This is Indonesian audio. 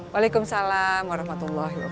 waalaikumsalam warahmatullahi wabarakatuh